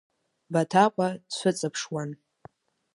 Баҭаҟәа дцәыҵыԥшуан.